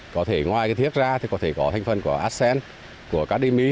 có thể ngoài cái thiết ra thì có thể có thành phần của arsen của các đêm y